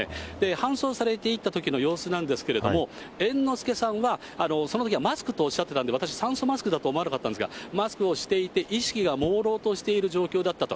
搬送されていったときの様子なんですけれども、猿之助さんは、そのときはマスクとおっしゃっていたんで、私、酸素マスクだと思わなかったんですが、マスクをしていて、意識がもうろうとしている状況だったと。